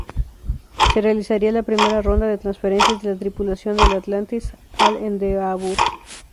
Se realizaría la primera ronda de transferencias de la tripulación del Atlantis al Endeavour.